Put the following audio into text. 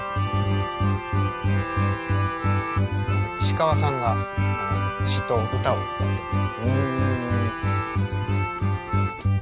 石川さんが詩と歌をやってて。